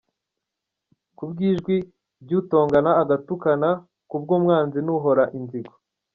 Ku bw’ijwi ry’utongana agatukana, Ku bw’umwanzi n’uhōra inzigo.